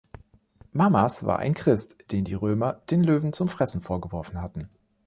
Mamas war ein Christ, den die Römer den Löwen zum Fressen vorgeworfen hatten.